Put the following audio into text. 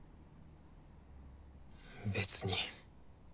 別に。